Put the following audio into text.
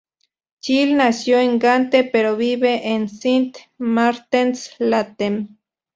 Jill nació en Gante pero vive en Sint-Martens-Latem.